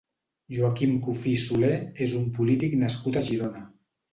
Joaquim Cufí i Solé és un polític nascut a Girona.